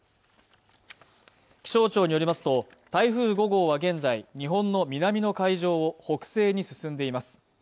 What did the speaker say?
気象庁によりますと台風５号は現在日本の南の海上を北西に進んでいます